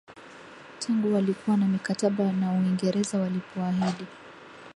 Tangu walikuwa na mikataba na Uingereza walipoahidi